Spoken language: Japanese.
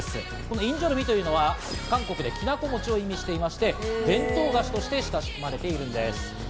「インジョルミ」というのは韓国できなこ餅を意味していまして、伝統菓子として親しまれているんです。